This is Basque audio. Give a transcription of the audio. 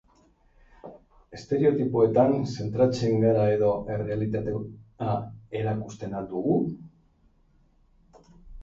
Estereotipoetan zentratzen gara edo errealitatea erakusten al dugu?